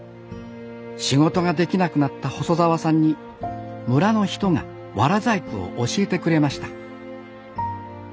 仕事ができなくなった細澤さんに村の人が藁細工を教えてくれました。